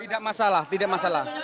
tidak masalah tidak masalah